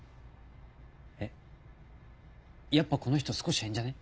えっやっぱこの人少し変じゃね？